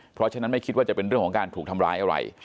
เพราะฉะนั้นไม่คิดว่าจะเป็นเรื่องของการถูกทำร้ายอะไร